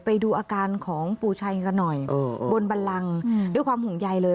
ไปดูอาการของปู่ชัยกันหน่อยบนบันลังด้วยความห่วงใยเลย